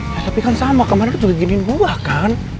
ya tapi kan sama kemarin tuh giniin gue kan